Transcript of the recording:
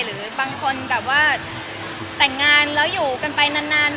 หรือบางคนแบบว่าแต่งงานแล้วอยู่กันไปนาน